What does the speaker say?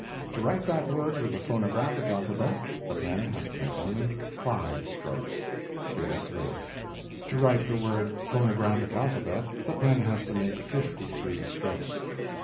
To write that word with the phonographic alphabet, the pen has to make only FIVE strokes. (Figure 3) To write the words "phonographic alphabet," the pen has to make fifty three strokes.